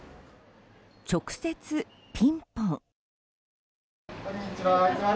直接ピンポン。